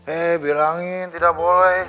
eh bilangin tidak boleh